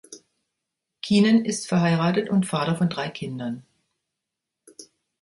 Keenan ist verheiratet und Vater von drei Kindern.